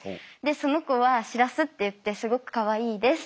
その子はシラスっていってすごくかわいいです。